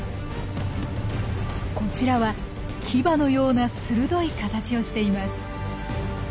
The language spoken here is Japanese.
こちらは牙のような鋭い形をしています。